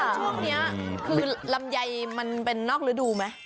แต่ว่าชุดเนี้ยคือลำยได้มันเป็นนอกทุกธุ์ไหม